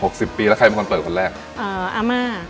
สิบปีแล้วใครเป็นคนเปิดคนแรกอ่าอาม่า